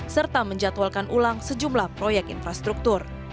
serta menjatuhalkan ulang sejumlah proyek infrastruktur